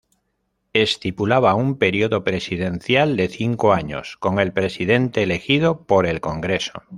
Estipulaba un periodo presidencial de cinco años, con el presidente elegido por el Congreso.